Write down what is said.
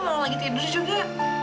kamu lagi tidur juga